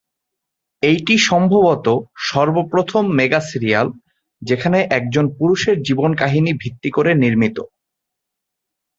এইটি সম্ভবত সর্বপ্রথম mega serial যেখানে একজন পুরুষের জীবন কাহিনী ভিত্তি করে নির্মিত।